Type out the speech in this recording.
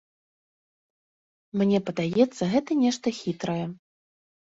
Мне падаецца, гэта нешта хітрае.